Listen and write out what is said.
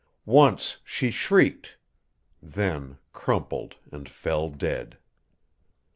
Once she shrieked, then crumpled and fell dead.